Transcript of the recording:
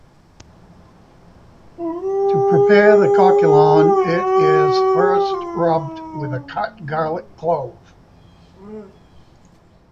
To prepare the "caquelon" it is first rubbed with a cut garlic clove.